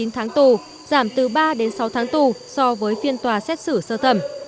ba mươi sáu ba mươi chín tháng tù giảm từ ba sáu tháng tù so với phiên tòa xét xử sơ thẩm